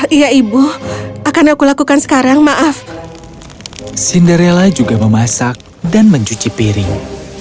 iya ibu akan aku lakukan sekarang maaf cinderella juga memasak dan mencuci piring